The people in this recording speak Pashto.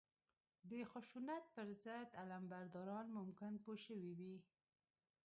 د خشونت پر ضد علمبرداران ممکن پوه شوي وي